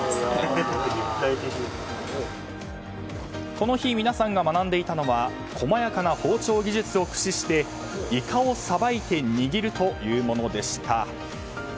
この日皆さんが学んでいたのは細やかな包丁技術を駆使してイカをさばいて握るというものでした。